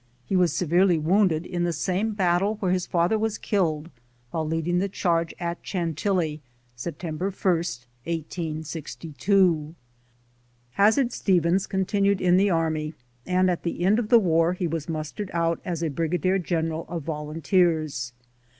He was severely wounded in the same battle where his father was killed while leading the charge at Chantilly, September i, 1862. Hazard Stevens continued in the army, and at the end of the war he was mustered out as a brigadier general of volunteers.